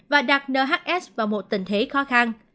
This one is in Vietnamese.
và đặt nhs vào một tình thể khó khăn